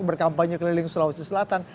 berkampanye keliling sulawesi selatan